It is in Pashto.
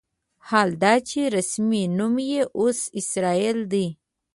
حال دا چې رسمي نوم یې اوس اسرائیل دی.